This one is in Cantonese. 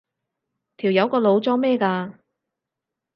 條友個腦裝咩㗎？